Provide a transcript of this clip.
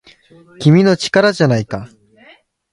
君の力じゃないか